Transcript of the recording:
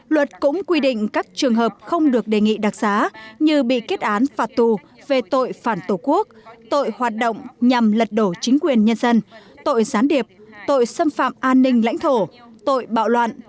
luật cũng quy định các trường hợp không được đề nghị đặc xá như bị kết án phạt tù về tội phản tổ quốc tội hoạt động nhằm lật đổ chính quyền nhân dân tội gián điệp tội xâm phạm an ninh lãnh thổ tội bạo loạn